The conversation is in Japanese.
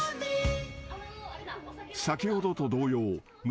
［先ほどと同様村